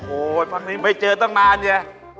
โอ้โหพักนี้ไม่เจอตั้งนานเนี่ย